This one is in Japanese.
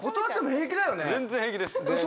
全然平気です。